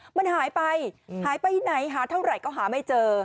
มันหายไปหายไปไหนหาเท่าไหร่ก็หาไม่เจอ